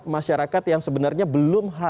masyarakat yang sebenarnya belum